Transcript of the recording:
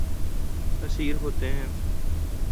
اسیر ہوتے ہیں